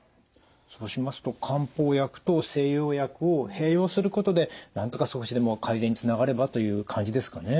そうしますと漢方薬と西洋薬を併用することでなんとか少しでも改善につながればという感じですかね。